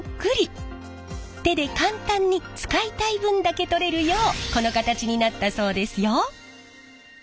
手で簡単に使いたい分だけ取れるようこの形になったそうですよ。